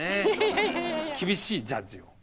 厳しいジャッジを。